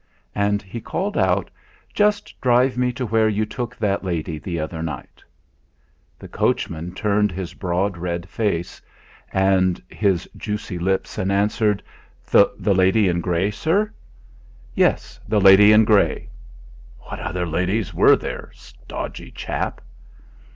And he called out: "Just drive me to where you took that lady the other night." The coachman turned his broad red face, and his juicy lips answered: "The lady in grey, sir?" "Yes, the lady in grey." What other ladies were there! Stodgy chap!